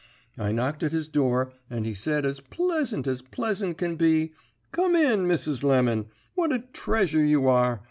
I knocked at his door, and he said as pleasant as pleasant can be, 'Come in, Mrs. Lemon. What a treasure you are!